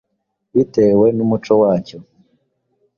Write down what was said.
bitewe n’umuco wacyo.